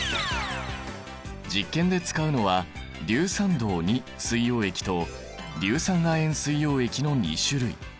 実験で使うのは硫酸銅水溶液と硫酸亜鉛水溶液の２種類。